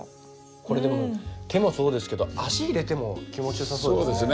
これでも手もそうですけど足入れても気持ち良さそうですよね。